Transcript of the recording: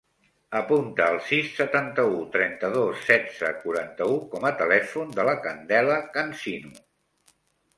Apunta el sis, setanta-u, trenta-dos, setze, quaranta-u com a telèfon de la Candela Cansino.